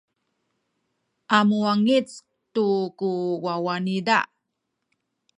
a muwangic tu ku wawa niza.